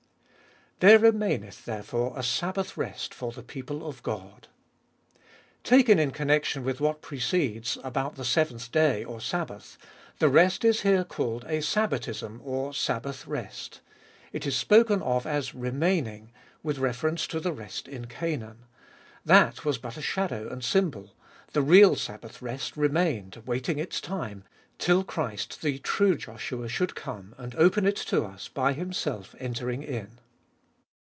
There remaineth therefore a sabbath rest for the people of God : taken in connection with what precedes about the seventh day or Sabbath, the rest is here called a sabbatism or sab bath rest. It is spoken of as remaining, with reference to the rest in Canaan. That was but a shadow and symbol : the real sabbath rest remained, waiting its time, till Christ the true Joshua should come, and open it to us by Himself entering it.